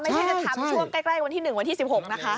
ไม่ใช่จะทำช่วงใกล้วันที่๑วันที่๑๖นะคะ